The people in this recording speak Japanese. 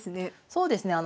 そうですね。